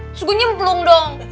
terus gue nyemplung dong